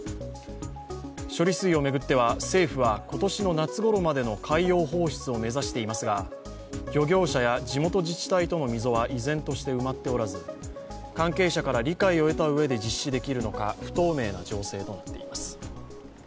処理水を巡っては政府は今年の夏ごろまでの海洋放出を目指していますが漁業者や地元自治体との溝は依然として埋まっておらず関係者から理解を得たうえで実施できるのか不透明な情勢となっています。